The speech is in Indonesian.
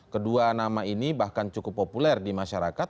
kedua nama ini bahkan cukup populer di masyarakat